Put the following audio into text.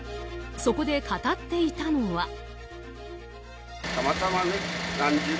そこで語っていたのは。